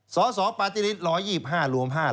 สอสอปฏิฤทธิ์๑๒๕รวม๕๐๐